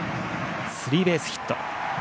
スリーベースヒット。